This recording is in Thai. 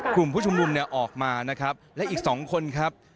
กลุ่มผู้ชุมรุมออกมาและอีก๒คนครับ